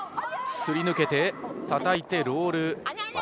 すり抜けて、たたいてロール。